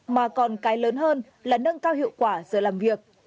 mà còn cái lớn hơn là nâng cao hiệu quả giờ làm việc